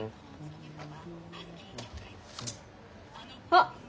あっ！